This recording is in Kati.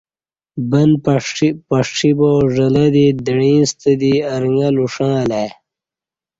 بن پݜی با ژلہ دی دعیں ستہ دی ارݣہ لوݜہ الہ ای